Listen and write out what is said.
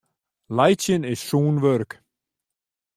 Laitsjen is sûn wurk.